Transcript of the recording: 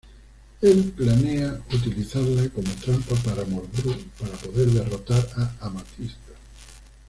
Él planea utilizarla como trampa para Mordru para poder derrotar a Amatista.